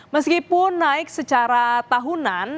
meskipun naik secara tahunan